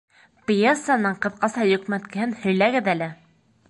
Пьесаның ҡыҫҡаса йөкмәткеһен һөйләгеҙ әле.